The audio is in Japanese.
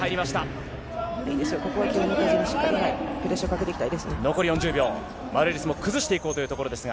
いいですよ、ここはしっかり、プレッシャーかけていきたいですね。